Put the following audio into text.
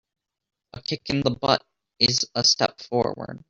A kick in the butt is a step forward.